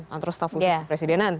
antro staf khusus presidenan